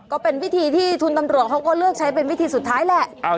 ก็เป็นวิธีที่คุณตำรวจเขาก็เลือกใช้เป็นวิธีสุดท้ายแหละ